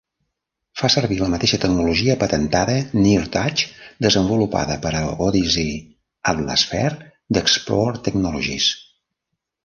Fa servir la mateixa tecnologia patentada "NearTouch" desenvolupada per a l'Odyssey Atlasphere d'Explore Technologies.